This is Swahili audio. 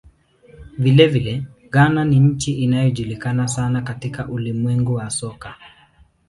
Vilevile, Ghana ni nchi inayojulikana sana katika ulimwengu wa soka.